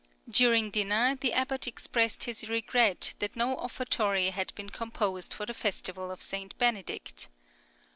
During dinner the abbot expressed his regret that no offertory had been composed for the festival of St. Benedict.